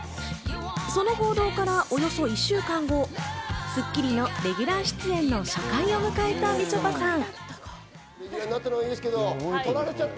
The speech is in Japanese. その報道から１週間後、『スッキリ』のレギュラー出演の初回を迎えた、みちょぱさん。